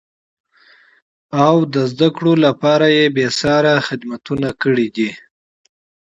او زده کړو لپاره بېسارې خدمتونه کړیدي.